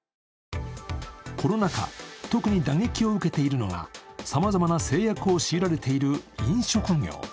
コロナ禍、特に打撃を受けているのが、さまざまな制約を強いられている飲食業。